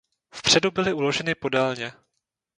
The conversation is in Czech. Vpředu byly uloženy podélně.